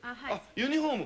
ユニホーム？